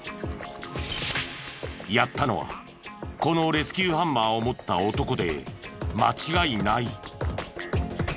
やったのはこのレスキューハンマーを持った男で間違いない。